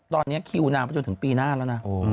ตอนนี้คิวนางไปจนถึงปีหน้าแล้วนะ